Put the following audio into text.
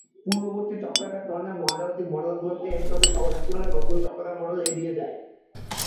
পূর্ববর্তী চক্রাকার-ধরনের মহাজাগতিক মডেলগুলিতে এনট্রপি সমস্যা ছিল যা নতুন চক্রাকার মডেল এড়িয়ে যায়।